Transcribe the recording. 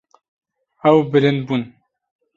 Ew bilind bûn.